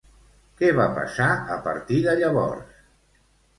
Què va passar a partir de llavors?